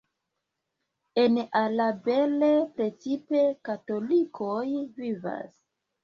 En Alabel precipe katolikoj vivas.